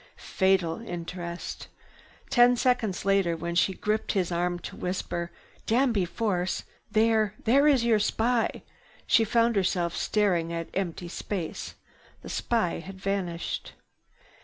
Fatal interest. Ten seconds later, when she gripped his arm to whisper, "Danby Force! There—there is your spy!" she found herself staring at empty space. The spy had vanished.